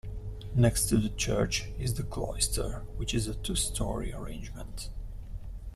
Next to the church is the cloister, which is a two-story arrangement.